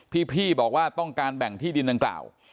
พี่บอกว่าต้องการแบ่งที่ดินดังกล่าว